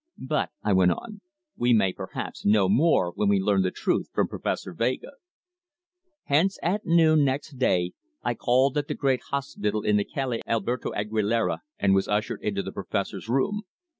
But," I went on, "we may perhaps know more when we learn the truth from Professor Vega." Hence at noon next day I called at the great hospital in the Calle Alberto Aguilera, and was ushered into the Professor's room.